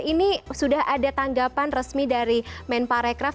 ini sudah ada tanggapan resmi dari men parekraf